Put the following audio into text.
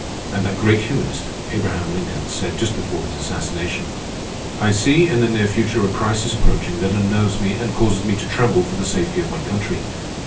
And that great humanist, Abraham Lincoln, said, just before his assassination: "_I see in the near future a crisis approaching that unnerves me and causes me to tremble for the safety of my country.